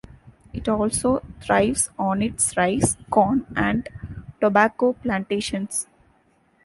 It also thrives on its rice, corn and tobacco plantations.